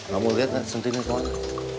kamu lihat gak sentinnya ke mana